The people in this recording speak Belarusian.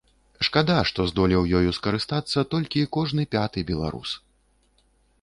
Шкада, што здолеў ёю скарыстацца толькі кожны пяты беларус.